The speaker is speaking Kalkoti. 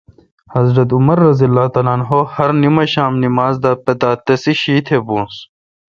حضرت عمرؓہرنماشام نمازداپتاتسیشی تہ بونس۔